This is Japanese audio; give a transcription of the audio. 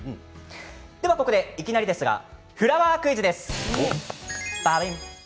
ではここで、いきなりですがフラワークイズです。